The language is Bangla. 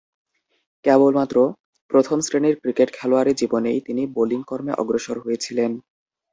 কেবলমাত্র প্রথম-শ্রেণীর ক্রিকেট খেলোয়াড়ী জীবনেই তিনি বোলিং কর্মে অগ্রসর হয়েছিলেন।